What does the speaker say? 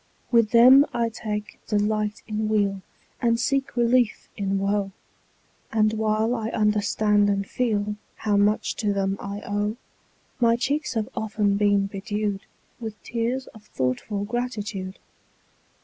With them I take delight in weal And seek relief in woe; And while I understand and feel How much to them I owe, 10 My cheeks have often been bedew'd With tears of thoughtful gratitude.